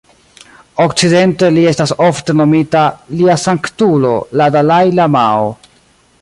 Okcidente, li estas ofte nomita "Lia Sanktulo la Dalai-lamao".